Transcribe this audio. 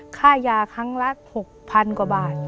ค่ายาครั้งละ๖๐๐๐กว่าบาท